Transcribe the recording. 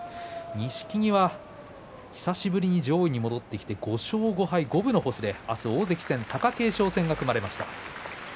錦木は久しぶりに上位に戻ってきて、５勝５敗、五分の星明日は大関戦貴景勝戦が組まれました。